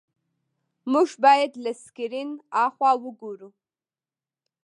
موږ باید له سکرین هاخوا وګورو.